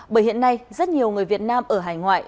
bởi hiện nay rất nhiều người việt nam ở hải ngoại